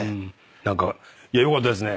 何かいやよかったですね。